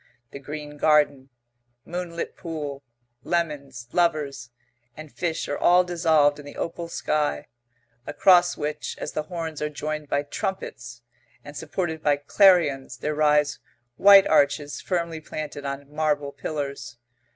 The green garden, moonlit pool, lemons, lovers, and fish are all dissolved in the opal sky, across which, as the horns are joined by trumpets and supported by clarions there rise white arches firmly planted on marble pillars....